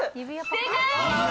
正解！